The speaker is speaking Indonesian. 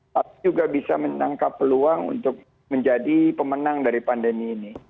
tapi juga bisa menangkap peluang untuk menjadi pemenang dari pandemi ini